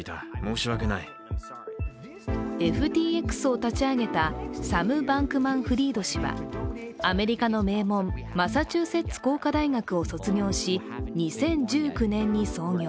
ＦＴＸを立ち上げたサム・バンクマンフリード氏はアメリカの名門・マサチューセッツ工科大学を卒業し２０１９年に創業。